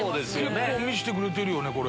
結構見せてくれてるね。